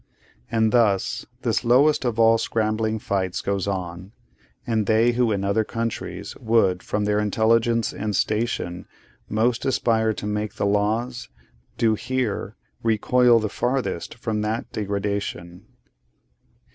And thus this lowest of all scrambling fights goes on, and they who in other countries would, from their intelligence and station, most aspire to make the laws, do here recoil the farthest from that degradation.